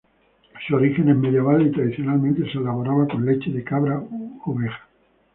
Su origen es medieval y tradicionalmente se elaboraba con leche de cabra u oveja.